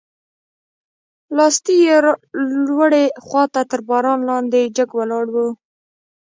لاستي یې لوړې خواته تر باران لاندې جګ ولاړ و.